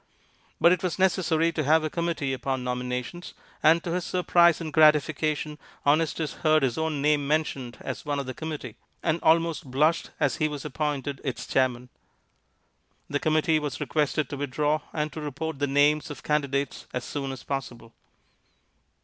But it was necessary to have a committee upon nominations; and to his surprise and gratification Honestus heard his own name mentioned as one of the committee, and almost blushed as he was appointed its chairman. The committee was requested to withdraw, and to report the names of candidates as soon as possible.